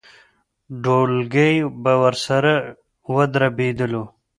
ډولکی به ورسره ودربېدلو.